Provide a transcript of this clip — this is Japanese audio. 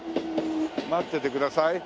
待っててください。